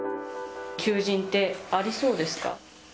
求人ってありそうですか？